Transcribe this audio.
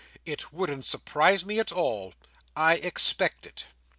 "It wouldn't surprise me at all. I expect it."